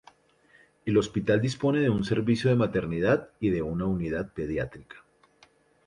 El hospital dispone de un servicio de maternidad y de una unidad pediátrica.